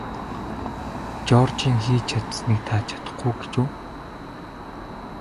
Жоржийн хийж чадсаныг та чадахгүй гэж үү?